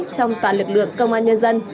trong toàn lực lượng công an nhân dân